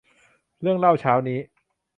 เรื่องเล่าเช้านี้